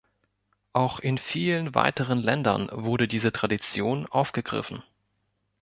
Auch in vielen weiteren Ländern wurde diese Tradition aufgegriffen.